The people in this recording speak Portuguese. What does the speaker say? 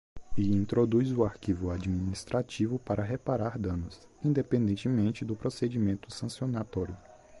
E introduz o arquivo administrativo para reparar danos, independentemente do procedimento sancionatório.